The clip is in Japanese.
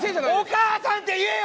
お母さんって言えよ！